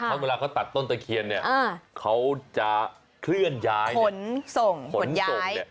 เมื่อเขาตัดต้นตะเคียนเนี่ยเขาจะเคลื่อนย้ายขนส่งขนย้าย